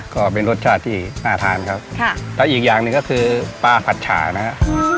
ก็เป็นรสชาติที่น่าทานครับค่ะแล้วอีกอย่างหนึ่งก็คือปลาผัดฉานะฮะ